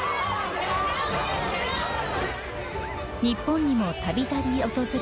日本にも、たびたび訪れ